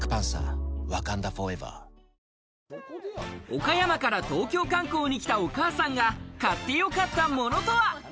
岡山から東京観光に来たお母さんが買ってよかったものとは？